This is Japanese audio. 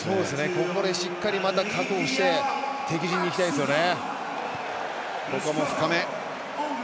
ここでしっかりまた確保して敵陣に行きたいですよね。